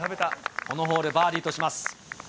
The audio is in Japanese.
このホール、バーディーとします。